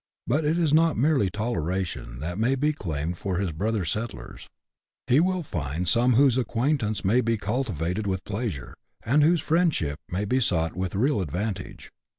But it is not merely toleration that may be claimed for his brother settlers, he will find some whose acquaintance 24 BUSH LIFE IN AUSTRALIA. [chap. iit. may be cultivated with pleasure, and whose friendship may be sought with real advantage.